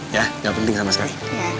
ya nggak penting sama sekali